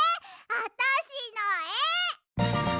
あたしのえ！